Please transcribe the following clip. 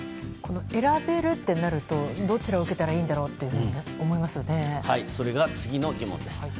選べるってなると、どちらを受けたらいいんだろうってそれが次の疑問です。